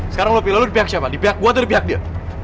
sekarang lo pilih lo di pihak siapa di pihak gua atau di pihak dia